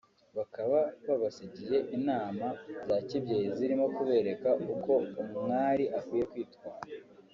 bakaba babasigiye inama za kibyeyi zirimo kubereka uko umwari akwiye kwitwara